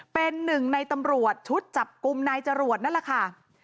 เป็นหนึ่งในตำรวจชุดจับกลุ่มนายจรวดนั่นแหละค่ะ